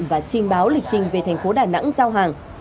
và trình báo lịch trình về tp đà nẵng giao hàng